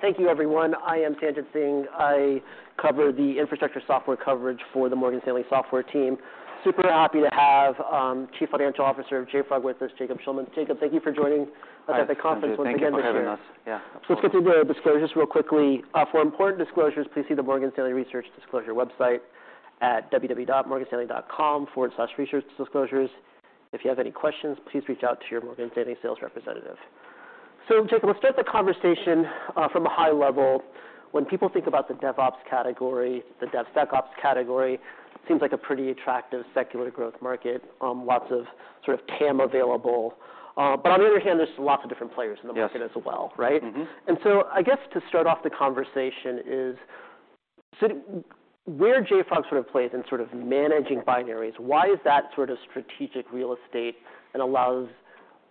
Thank you everyone. I am Sanjit Singh. I cover the Infrastructure Software Coverage for the Morgan Stanley Software Team. Super happy to have Chief Financial Officer of JFrog with us, Jacob Shulman. Jacob, thank you for joining us at the conference once again this year. Hi, Sanjit. Thank you for having us. Yeah, of course. Let's get to the disclosures real quickly. For important disclosures, please see the Morgan Stanley Research Disclosure website at www.morganstanley.com/researchdisclosures. If you have any questions, please reach out to your Morgan Stanley sales representative. Jacob, let's start the conversation from a high level. When people think about the DevOps category, the DevSecOps category, seems like a pretty attractive Secular Growth Market. Lots of sort of TAM available. On the other hand, there's lots of different players in the market. Yes as well, right? Mm-hmm. I guess to start off the conversation is so where JFrog sort of plays in sort of managing Binaries, why is that sort of strategic real estate and allows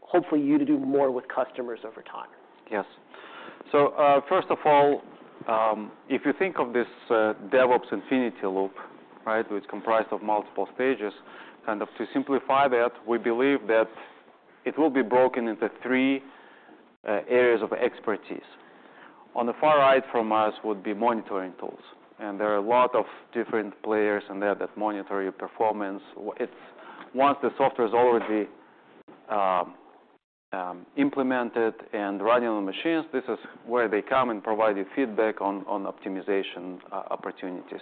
hopefully you to do more with customers over time? Yes. First of all, if you think of this DevOps Infinity Loop, right, which comprised of multiple stages, kind of to simplify that, we believe that it will be broken into three areas of expertise. On the far right from us would be Monitoring Tools, and there are a lot of different players in there that monitor your performance. It's once the software is already implemented and running on machines, this is where they come and provide you feedback on optimization opportunities.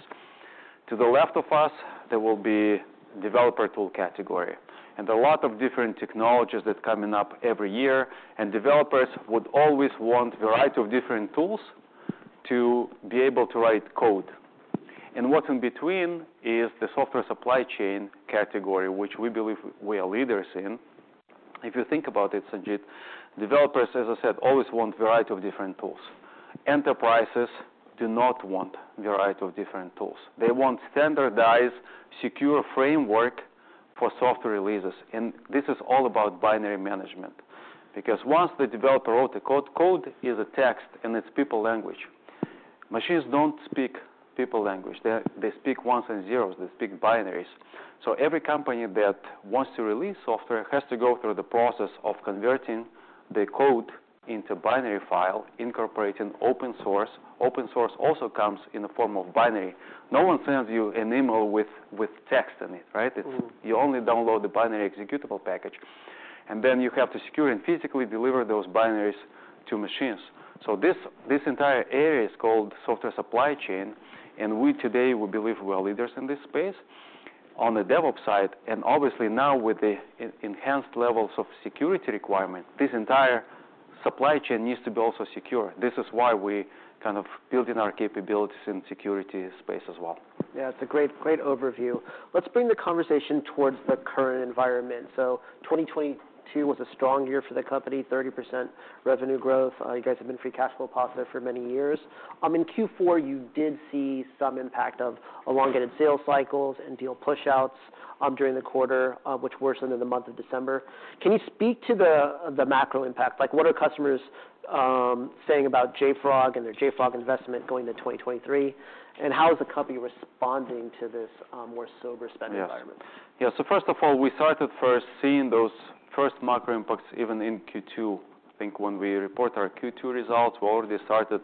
To the left of us, there will be developer tool category, and a lot of different technologies that's coming up every year. Developers would always want variety of different tools to be able to write code. What's in between is the Software Supply Chain category, which we believe we are leaders in. If you think about it, Sanjit, developers, as I said, always want variety of different tools. Enterprises do not want variety of different tools. They want standardized, secure framework for software releases. This is all about binary management because once the developer wrote the code is a text in its people language. Machines don't speak people language. They speak ones and zeros. They speak Binaries. Every company that wants to release software has to go through the process of converting the code into binary file, incorporating open source. Open Source also comes in the form of binary. No one sends you an email with text in it, right? Mm-hmm. It's you only download the binary executable package. You have to secure and physically deliver those Binaries to machines. This entire area is called Software Supply Chain, and we today believe we are leaders in this space on the DevOps side. Obviously now with the enhanced levels of security requirement, this entire supply chain needs to be also secure. This is why we kind of building our capabilities in security space as well. Yeah, it's a great overview. 2022 was a strong year for the company, 30% revenue growth. You guys have been free cash flow positive for many years. In Q4 you did see some impact of elongated sales cycles and deal push-outs during the quarter, which worsened in the month of December. Can you speak to the macro impact? Like what are customers saying about JFrog and their JFrog investment going to 2023, and how is the company responding to this more sober spend environment? Yes. Yeah. First of all, we started first seeing those first macro impacts even in Q2. I think when we report our Q2 results, we already started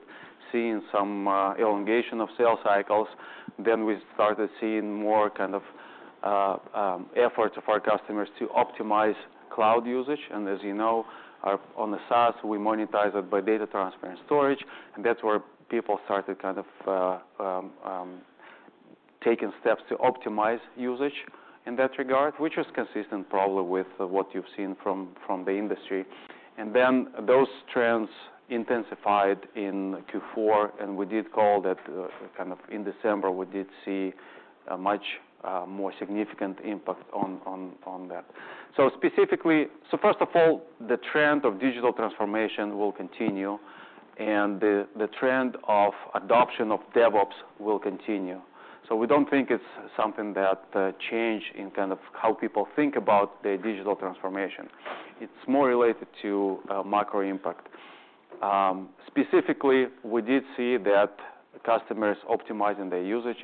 seeing some elongation of sales cycles. We started seeing more kind of efforts of our customers to optimize cloud usage. As you know, on the SaaS, we monetize it by data transfer and storage, and that's where people started kind of taking steps to optimize usage in that regard, which is consistent probably with what you've seen from the industry. Those trends intensified in Q4, and we did call that kind of in December, we did see a much more significant impact on that. Specifically... First of all, the trend of digital transformation will continue, and the trend of adoption of DevOps will continue. We don't think it's something that change in kind of how people think about the digital transformation. It's more related to micro impact. Specifically, we did see that customers optimizing their usage.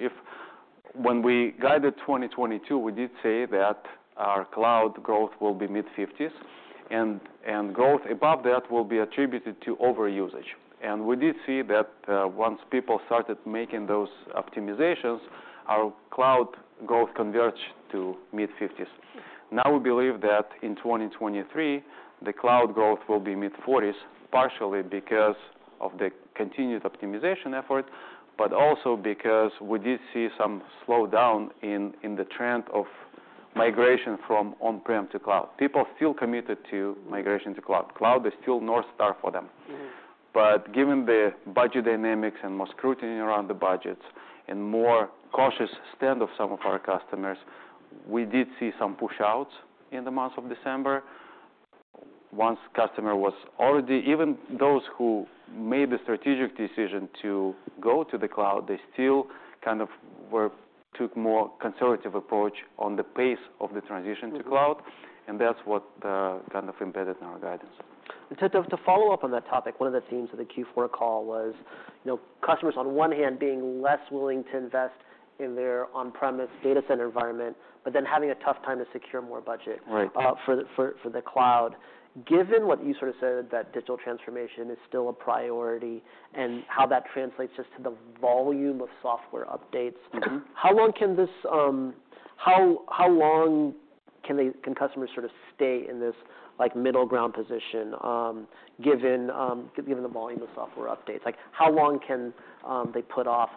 When we guided 2022, we did say that our cloud growth will be mid-50s and growth above that will be attributed to overusage. We did see that once people started making those optimizations, our cloud growth converged to mid-50s. We believe that in 2023 the cloud growth will be mid-40s, partially because of the continued optimization effort, but also because we did see some slowdown in the trend of migration from on-prem to cloud. People feel committed to migration to cloud. Cloud is still North Star for them. Mm-hmm. Given the budget dynamics and more scrutiny around the budgets and more cautious stand of some of our customers, we did see some push-outs in the month of December. Even those who made the strategic decision to go to the cloud, they still kind of took more conservative approach on the pace of the transition to cloud. Mm-hmm. That's what, kind of embedded in our guidance. To follow up on that topic, one of the themes of the Q4 call was. You know, customers on one hand being less willing to invest in their on-premise data center environment, but then having a tough time to secure more budget. Right... for the cloud. Given what you sort of said that digital transformation is still a priority, and how that translates just to the volume of software updates- Mm-hmm... how long can this... how long can customers sort of stay in this, like, middle ground position, given the volume of software updates? Like, how long can they put off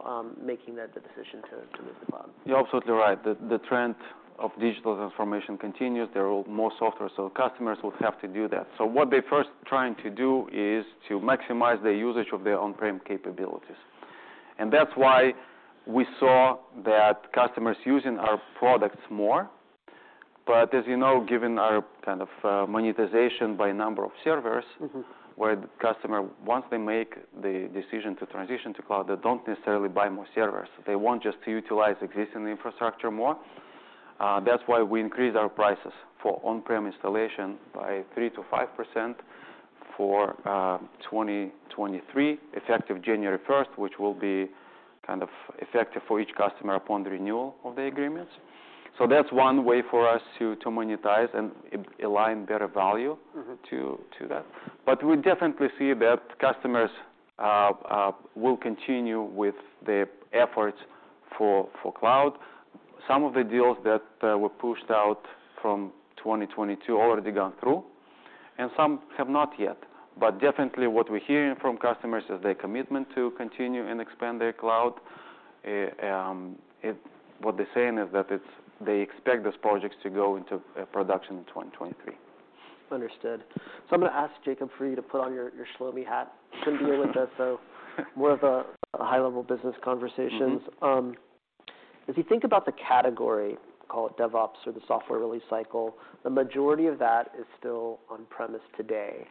making the decision to move to cloud? You're absolutely right. The trend of digital transformation continues. There are more software, so customers will have to do that. What they're first trying to do is to maximize the usage of their on-prem capabilities, and that's why we saw that customers using our products more. As you know, given our kind of monetization by number of servers- Mm-hmm... where the customer, once they make the decision to transition to cloud, they don't necessarily buy more servers. They want just to utilize existing infrastructure more. That's why we increased our prices for on-prem installation by 3%-5% for 2023, effective January 1st, which will be kind of effective for each customer upon the renewal of the agreements. That's one way for us to monetize and align better value- Mm-hmm... to that. We definitely see that customers will continue with the efforts for cloud. Some of the deals that were pushed out from 2022 already gone through, and some have not yet. Definitely what we're hearing from customers is their commitment to continue and expand their cloud. What they're saying is that they expect these projects to go into production in 2023. Understood. I'm gonna ask Jacob for you to put on your Shlomi hat to deal with this. More of a high level business conversations. Mm-hmm. If you think about the category, call it DevOps or the software release cycle, the majority of that is still on-premise today,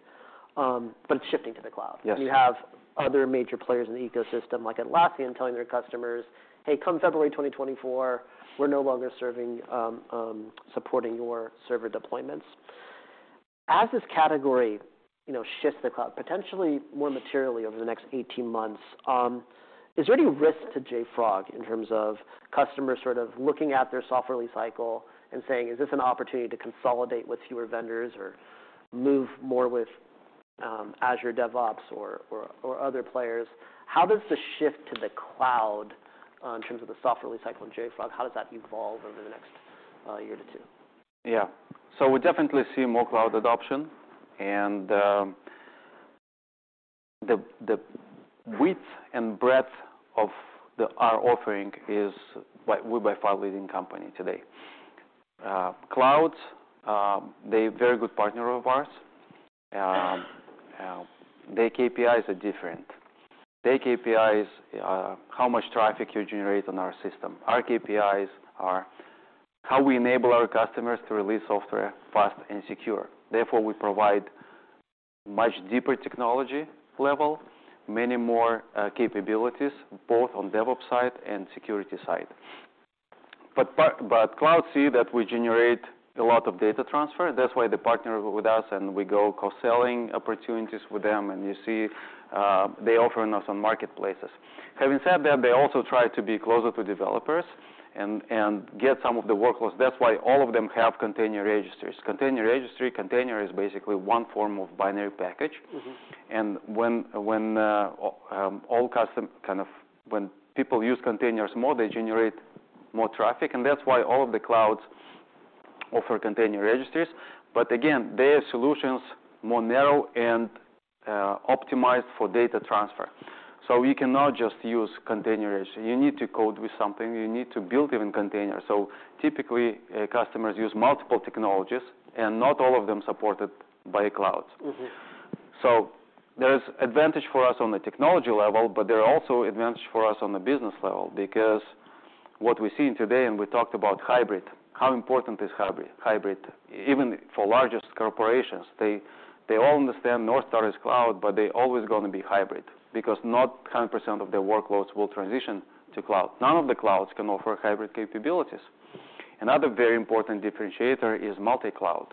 but it's shifting to the cloud. Yes. You have other major players in the ecosystem like Atlassian telling their customers, "Hey, come February 2024, we're no longer serving supporting your server deployments." As this category, you know, shifts to the cloud, potentially more materially over the next 18 months, is there any risk to JFrog in terms of customers sort of looking at their software release cycle and saying, "Is this an opportunity to consolidate with fewer vendors or move more with Azure DevOps or other players?" How does the shift to the cloud in terms of the software release cycle in JFrog, how does that evolve over the next year to two? Yeah. We definitely see more cloud adoption and the width and breadth of our offering is we're by far leading company today. cloud, they very good partner of ours. Their KPIs are different. Their KPI is how much traffic you generate on our system. Our KPIs are how we enable our customers to release software fast and secure. Therefore, we provide much deeper technology level, many more capabilities, both on DevOps side and security side. cloud see that we generate a lot of data transfer. That's why they partner with us and we go cross-selling opportunities with them, and you see, they offering us on marketplaces. Having said that, they also try to be closer to developers and get some of the workloads. That's why all of them have container registries. container registry, container is basically one form of binary package. Mm-hmm. When people use containers more, they generate more traffic, and that's why all of the cloud offer container registries. Again, their solutions more narrow and optimized for data transfer. We cannot just use container registry. You need to code with something. You need to build even container. Typically, customers use multiple technologies, and not all of them supported by cloud. Mm-hmm. There's advantage for us on the technology level, but there are also advantage for us on the business level because what we're seeing today, and we talked about hybrid, how important is hybrid even for largest corporations. They all understand North Star is cloud, but they always gonna be hybrid because not 100% of their workloads will transition to cloud. None of the cloud can offer hybrid capabilities. Another very important differentiator is multi-cloud.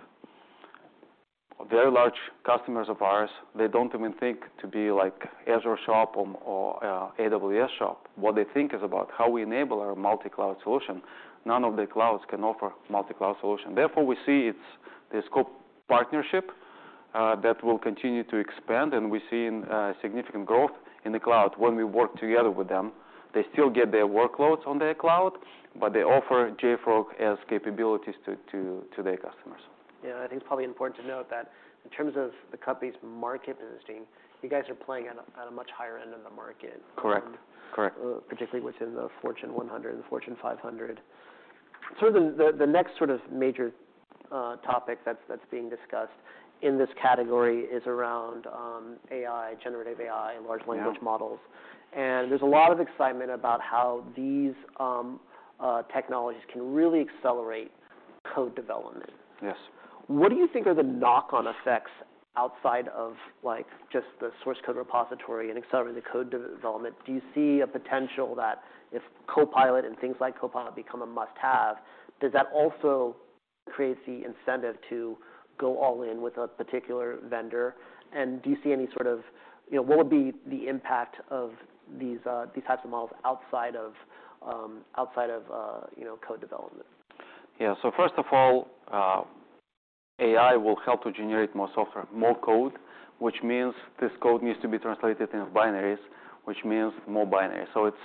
Very large customers of ours, they don't even think to be like Azure shop or AWS shop. What they think is about how we enable our multi-cloud solution. None of the cloud can offer multi-cloud solution. We see it's the scope partnership that will continue to expand, and we're seeing significant growth in the cloud when we work together with them. They still get their workloads on their cloud, but they offer JFrog as capabilities to their customers. Yeah. I think it's probably important to note that in terms of the company's market positioning, you guys are playing at a much higher end of the market- Correct. Correct. particularly within the Fortune 100 and the Fortune 500. Sort of the next sort of major topic that's being discussed in this category is around AI, generative AI and large language models. Yeah. There's a lot of excitement about how these technologies can really accelerate code development. Yes. What do you think are the knock-on effects outside of, like, just the source code repository and accelerating the code development? Do you see a potential that if Copilot and things like Copilot become a must-have, does that also creates the incentive to go all in with a particular vendor? Do you see any sort of, you know, what would be the impact of these types of models outside of, outside of, you know, code development? Yeah. First of all, AI will help to generate more software, more code, which means this code needs to be translated into Binaries, which means more Binaries. It's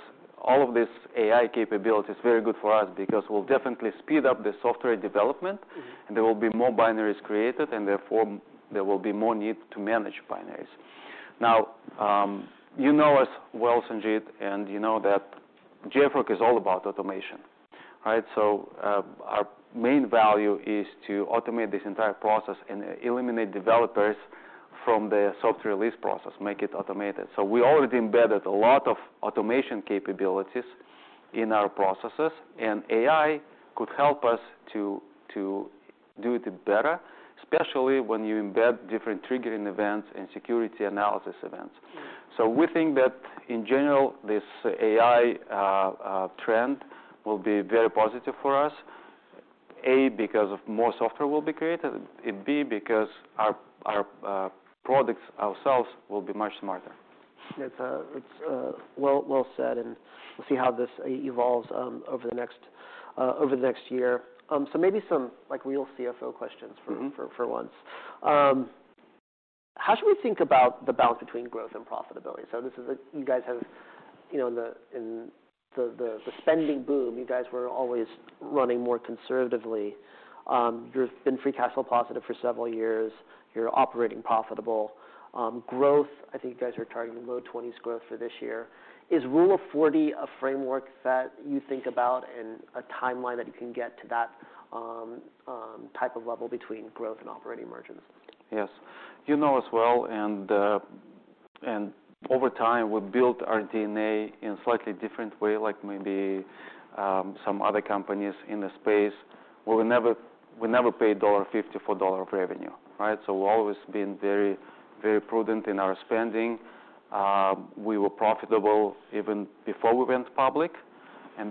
all of this AI capability is very good for us because we'll definitely speed up the software development. Mm-hmm... and there will be more Binaries created, and therefore there will be more need to manage Binaries. Now, you know us well, Sanjit, and you know that JFrog is all about automation, right? Our main value is to automate this entire process and eliminate developers from the software release process, make it automated. We already embedded a lot of automation capabilities in our processes, and AI could help us to do it better, especially when you embed different triggering events and security analysis events. Mm-hmm. We think that, in general, this AI trend will be very positive for us, A, because of more software will be created, and B, because our products ourselves will be much smarter. It's well said, and we'll see how this evolves over the next year. Maybe some, like, real CFO questions. Mm-hmm... for once. How should we think about the balance between growth and profitability? This is. You guys have, you know, the, in the spending boom, you guys were always running more conservatively. You've been free cash flow positive for several years. You're operating profitable. Growth, I think you guys are targeting low 20% growth for this year. Is Rule of 40 a framework that you think about and a timeline that you can get to that type of level between growth and operating margins? Yes. You know as well, over time, we built our DNA in slightly different way, like maybe some other companies in the space, we never paid $1.50 for $1 of revenue, right? We've always been very, very prudent in our spending. We were profitable even before we went public.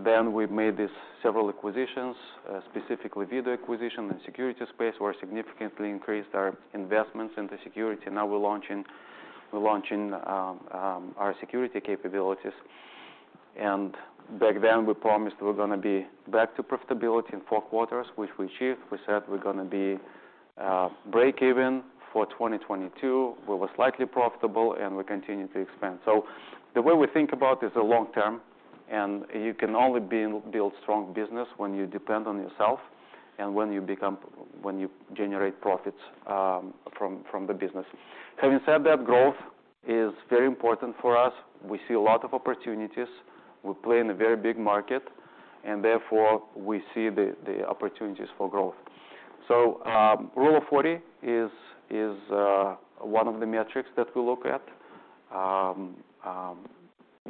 Then we made these several acquisitions, specifically Vdoo acquisition in security space, where significantly increased our investments into security. Now we're launching our security capabilities. Back then, we promised we're gonna be back to profitability in four quarters, which we achieved. We said we're gonna be break even for 2022. We were slightly profitable. We continue to expand. The way we think about is the long term, and you can only build strong business when you depend on yourself and when you generate profits from the business. Having said that, growth is very important for us. We see a lot of opportunities. We play in a very big market, and therefore we see the opportunities for growth. Rule of 40 is one of the metrics that we look at.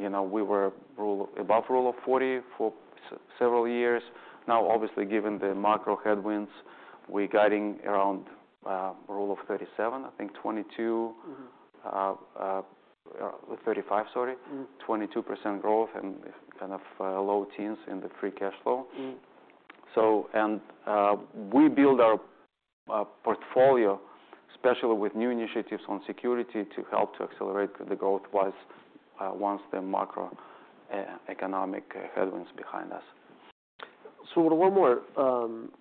You know, we were above Rule of 40 for several years. Now, obviously, given the macro headwinds, we're guiding around Rule of 37. Mm-hmm ... 35, sorry. Mm. 22% growth and kind of, low teens in the free cash flow. Mm. We build our portfolio, especially with new initiatives on security, to help to accelerate the growth once the macroeconomic headwinds behind us. One more,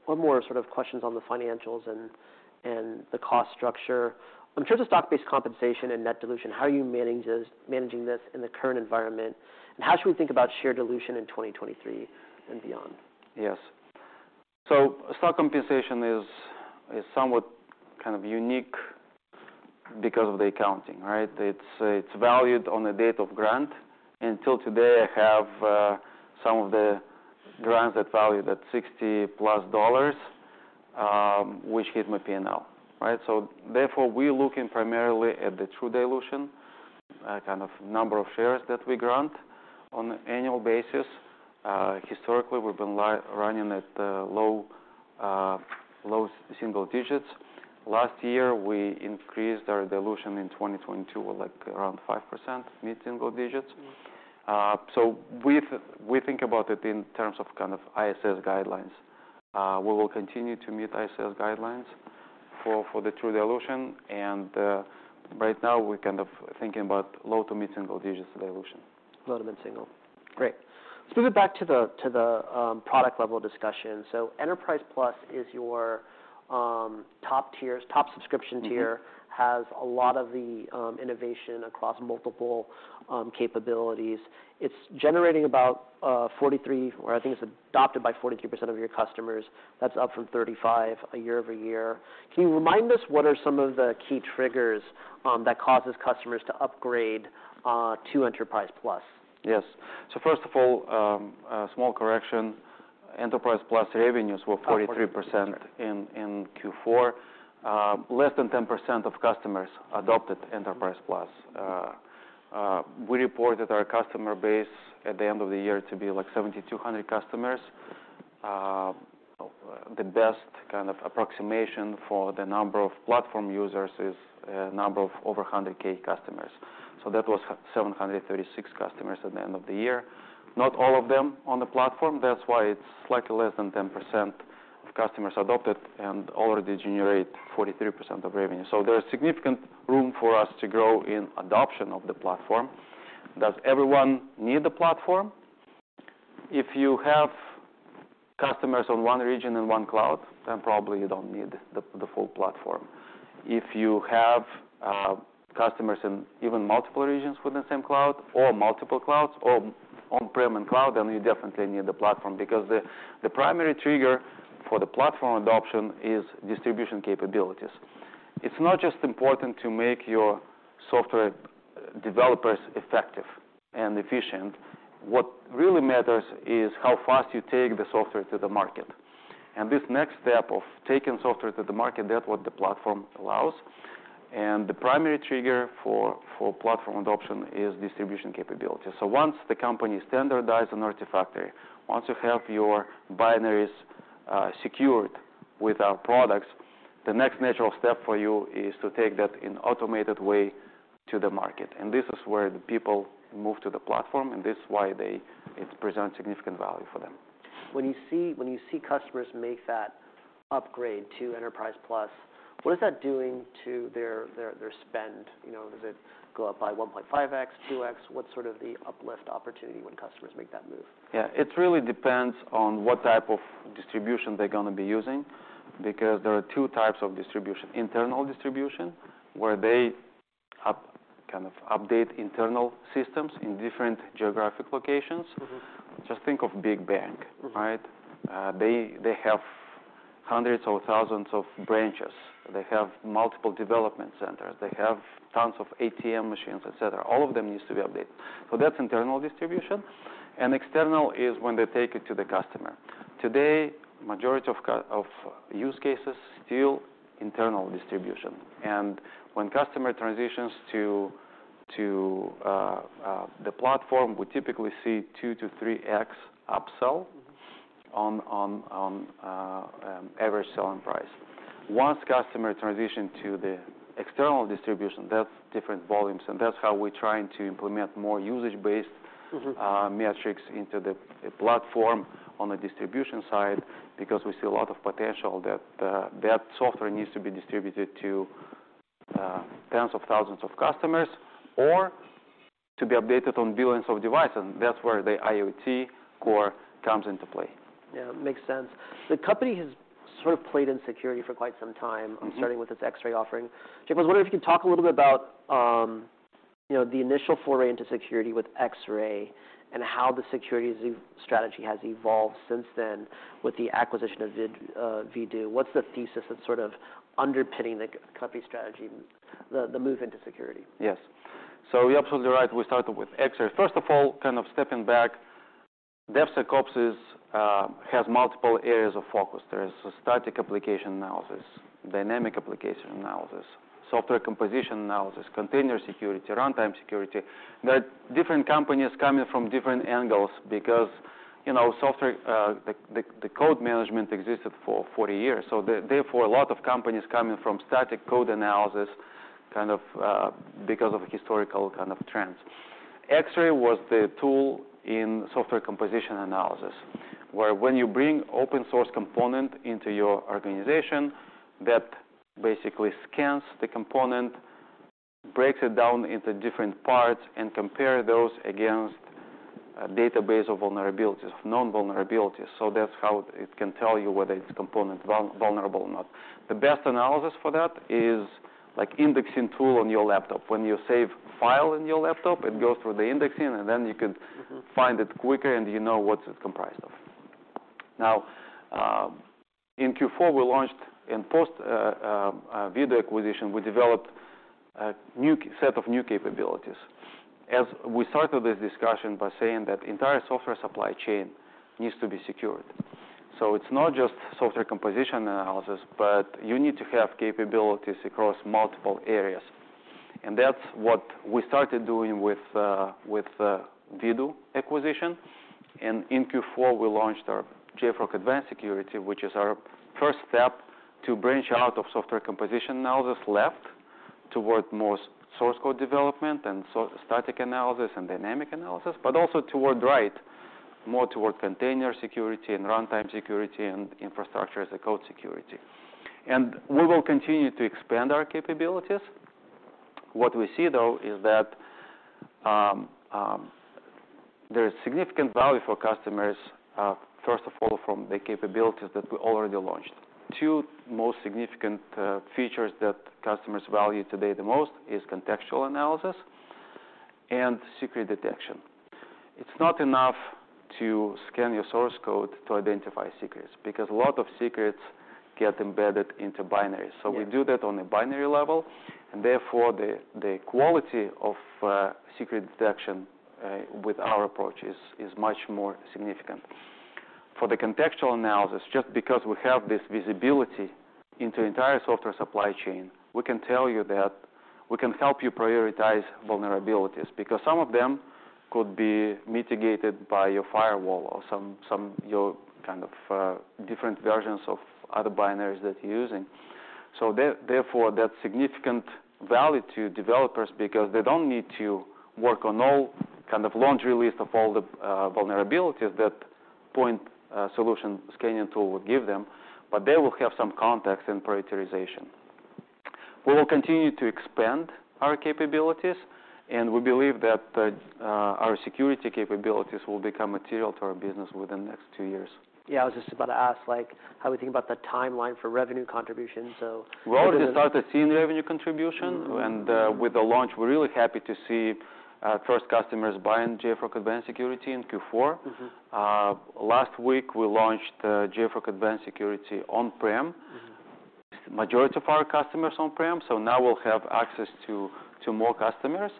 one more sort of questions on the financials and the cost structure. In terms of stock-based compensation and net dilution, how are you managing this in the current environment, and how should we think about share dilution in 2023 and beyond? Yes. Stock compensation is somewhat kind of unique because of the accounting, right? It's valued on the date of grant. Until today, I have some of the grants that valued at $60+, which hit my P&L, right? Therefore, we're looking primarily at the true dilution, kind of number of shares that we grant on annual basis. Historically, we've been running at low low single digits. Last year, we increased our dilution in 2022, like around 5%, mid-single digits. Mm. We think about it in terms of kind of ISS guidelines. We will continue to meet ISS guidelines for the true dilution. Right now we're kind of thinking about low to mid-single digits dilution. Low to mid-single. Great. Switching back to the product level discussion. Enterprise+ is your top subscription tier. Mm-hmm. Has a lot of the innovation across multiple capabilities. It's generating about 43, or I think it's adopted by 43% of your customers. That's up from 35 year-over-year. Can you remind us what are some of the key triggers that causes customers to upgrade to Enterprise+? Yes. First of all, a small correction. Enterprise+ revenues 43%... 43% in Q4. Less than 10% of customers adopted Enterprise+. We reported our customer base at the end of the year to be, like, 7,200 customers. The best kind of approximation for the number of platform users is a number of over 100K customers. That was 736 customers at the end of the year. Not all of them on the platform. That's why it's slightly less than 10% of customers adopted and already generate 43% of revenue. There's significant room for us to grow in adoption of the platform. Does everyone need the platform? If you have customers on one region and one cloud, then probably you don't need the full platform. If you have customers in even multiple regions with the same cloud or multi-cloud or on-prem and cloud, then you definitely need the platform because the primary trigger for the platform adoption is distribution capabilities. It's not just important to make your software developers effective and efficient. What really matters is how fast you take the software to the market. This next step of taking software to the market, that's what the platform allows. The primary trigger for platform adoption is distribution capability. Once the company standardizes an Artifactory, once you have your Binaries secured with our products, the next natural step for you is to take that in automated way to the market. This is where the people move to the platform, and this is why it presents significant value for them. When you see customers make that upgrade to Enterprise+, what is that doing to their spend? You know, does it go up by 1.5x-2x? What's sort of the uplift opportunity when customers make that move? Yeah. It really depends on what type of distribution they're gonna be using because there are two types of distribution. Internal distribution, where they kind of update internal systems in different geographic locations. Mm-hmm. Just think of big bank, right? They have hundreds or thousands of branches. They have multiple development centers. They have tons of ATM machines, et cetera. All of them needs to be updated. That's internal distribution. External is when they take it to the customer. Today, majority of use cases still internal distribution. When customer transitions to the platform, we typically see 2x-3x upsell- Mm-hmm on average selling price. Once customer transition to the external distribution, that's different volumes, and that's how we're trying to implement more. Mm-hmm... metrics into the platform on the distribution side because we see a lot of potential that software needs to be distributed to tens of thousands of customers or to be updated on billions of devices. That's where the IoT core comes into play. Yeah. Makes sense. The company has sort of played in security for quite some time. Mm-hmm starting with its Xray offering. Jacob, I was wondering if you could talk a little bit about, you know, the initial foray into security with Xray and how the security strategy has evolved since then with the acquisition of Vdoo. What's the thesis that's sort of underpinning the company strategy, the move into security? You're absolutely right. We started with Xray. First of all, kind of stepping back, DevSecOps has multiple areas of focus. There is static application analysis, dynamic application analysis, software composition analysis, container security, runtime security. The different companies coming from different angles because, you know, software, the code management existed for 40 years. Therefore, a lot of companies coming from static code analysis kind of because of historical kind of trends. Xray was the tool in software composition analysis, where when you bring open source component into your organization, that basically scans the component, breaks it down into different parts, and compare those against a database of vulnerabilities, known vulnerabilities. That's how it can tell you whether it's component vulnerable or not. The best analysis for that is like indexing tool on your laptop. When you save file in your laptop, it goes through the indexing, and then you can... Mm-hmm... find it quicker, and you know what it's comprised of. Now, in Q4, we launched and post Vdoo acquisition, we developed a new set of new capabilities. As we started this discussion by saying that entire Software Supply Chain needs to be secured. It's not just software composition analysis, but you need to have capabilities across multiple areas. That's what we started doing with Vdoo acquisition. In Q4, we launched our JFrog Advanced Security, which is our first step to branch out of software composition analysis left toward more source code development and static analysis and dynamic analysis, but also toward right, more toward container security and runtime security and Infrastructure as Code security. We will continue to expand our capabilities. What we see, though, is that there is significant value for customers, first of all, from the capabilities that we already launched. Two most significant features that customers value today the most is contextual analysis and secret detection. It's not enough to scan your source code to identify secrets because a lot of secrets get embedded into Binaries. Yeah. We do that on a binary level, and therefore, the quality of secret detection with our approach is much more significant. For the contextual analysis, just because we have this visibility into entire Software Supply Chain, we can tell you that we can help you prioritize vulnerabilities because some of them could be mitigated by your firewall or some your kind of different versions of other Binaries that you're using. Therefore, that's significant value to developers because they don't need to work on all kind of laundry list of all the vulnerabilities that point solution scanning tool would give them, but they will have some context and prioritization. We will continue to expand our capabilities, and we believe that the our security capabilities will become material to our business within the next two years. Yeah, I was just about to ask, like, how we think about the timeline for revenue contribution. Well, we start to see revenue contribution. Mm-hmm. With the launch, we're really happy to see, first customers buying JFrog Advanced Security in Q4. Mm-hmm. last week we launched, JFrog Advanced Security on-prem. Mm-hmm. Majority of our customers on-prem, so now we'll have access to more customers.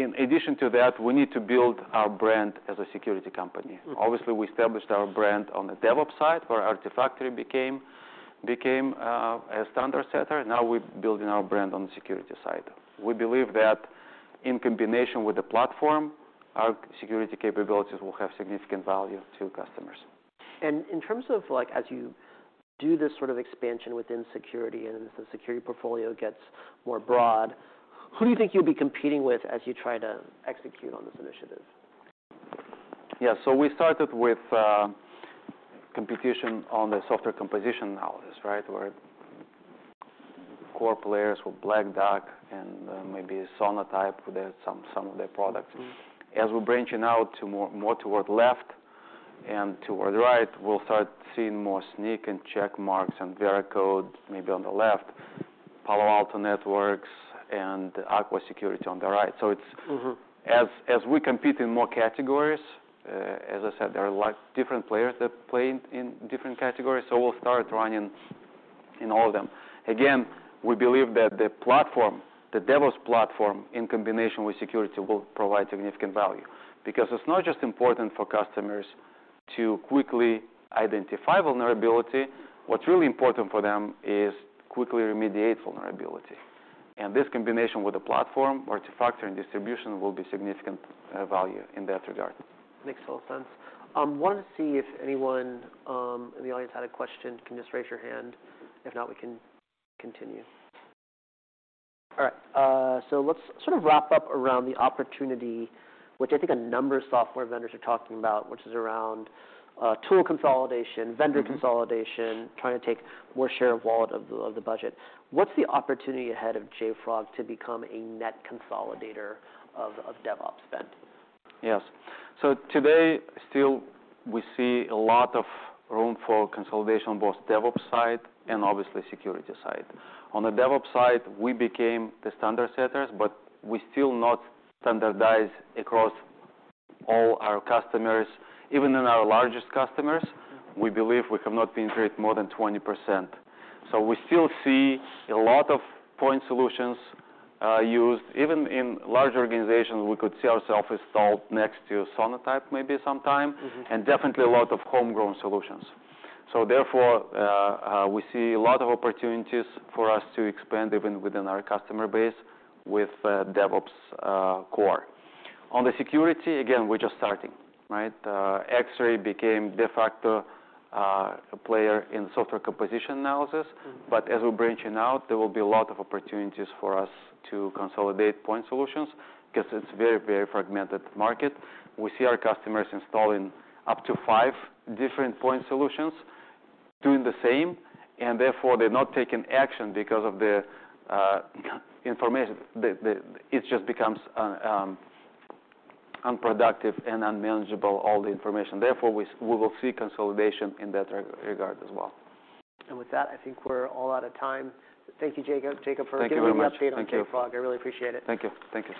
In addition to that, we need to build our brand as a security company. Mm. We established our brand on the DevOps side where Artifactory became a standard setter. Now we're building our brand on the security side. We believe that in combination with the platform, our security capabilities will have significant value to customers. In terms of, like, as you do this sort of expansion within security and as the security portfolio gets more broad, who do you think you'll be competing with as you try to execute on this initiative? Yeah. We started with computation on the Software Composition Analysis, right? Where core players were Black Duck and maybe Sonatype with their some of their products. Mm. As we're branching out to more toward left and toward right, we'll start seeing more Snyk and Checkmarx and Veracode maybe on the left, Palo Alto Networks and Aqua Security on the right. Mm-hmm... as we compete in more categories, as I said, there are lot different players that play in different categories, so we'll start running in all of them. Again, we believe that the platform, the DevOps platform, in combination with security, will provide significant value because it's not just important for customers to quickly identify vulnerability. What's really important for them is quickly remediate vulnerability, and this combination with the platform, Artifactory, and Distribution will be significant value in that regard. Makes total sense. want to see if anyone in the audience had a question, can you just raise your hand? If not, we can continue. All right. Let's sort of wrap up around the opportunity, which I think a number of software vendors are talking about, which is around tool consolidation... Mm-hmm vendor consolidation, trying to take more share of wallet of the budget. What's the opportunity ahead of JFrog to become a net consolidator of DevOps spend? Yes. today, still, we see a lot of room for consolidation, both DevOps side and obviously security side. On the DevOps side, we became the standard setters, but we still not standardized across all our customers. Even in our largest customers, we believe we have not penetrate more than 20%. we still see a lot of point solutions, used. Even in larger organizations, we could see ourself installed next to Sonatype maybe sometime. Mm-hmm. Definitely a lot of homegrown solutions. Therefore, we see a lot of opportunities for us to expand even within our customer base with DevOps core. On the security, again, we're just starting, right? Xray became de facto player in software composition analysis. Mm-hmm. As we're branching out, there will be a lot of opportunities for us to consolidate point solutions 'cause it's very, very fragmented market. We see our customers installing up to five different point solutions doing the same, and therefore they're not taking action. It just becomes unproductive and unmanageable, all the information. We will see consolidation in that regard as well. With that, I think we're all out of time. Thank you, Jacob. Thank you very much. for giving me an update on JFrog. Thank you. I really appreciate it. Thank you. Thank you.